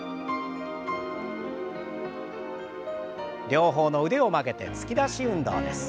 両方の腕を曲げて突き出し運動です。